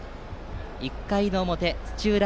１回の表土浦